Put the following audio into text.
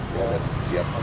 dia siap mak